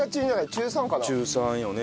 中３よね。